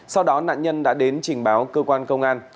sau đó nạn nhân đã đến trình báo cơ quan công an